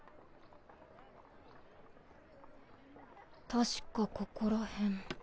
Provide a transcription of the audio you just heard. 確かここら辺。